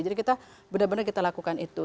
jadi kita benar benar kita lakukan itu